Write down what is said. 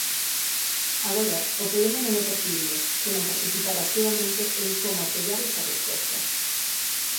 Agora, o problema non é percibilo, senón participar activamente en como artellar esa resposta.